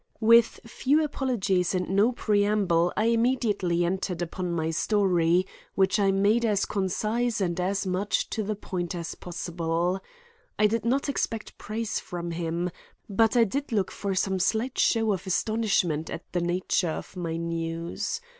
With few apologies and no preamble, I immediately entered upon my story which I made as concise and as much to the point as possible. I did not expect praise from him, but I did look for some slight show of astonishment at the nature of my news.